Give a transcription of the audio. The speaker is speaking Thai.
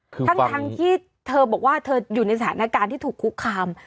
ทั้งที่เธอบอกว่าเธออยู่ในสถานการณ์ที่ถูกคุกคาม